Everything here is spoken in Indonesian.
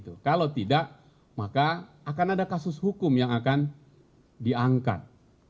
kalau tidak maka akan ada kasus hukum yang akan diangkat